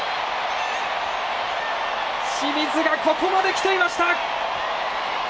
清水が、ここまできていました！